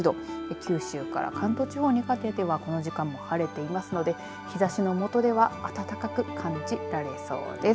九州から関東地方にかけてはこの時間も晴れていますので日ざしの下では暖かく感じられそうです。